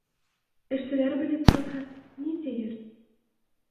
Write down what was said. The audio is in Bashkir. Эшселәр белеп ҡалһа, ни тиер?